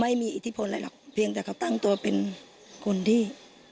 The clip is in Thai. อิทธิพลอะไรหรอกเพียงแต่เขาตั้งตัวเป็นคนที่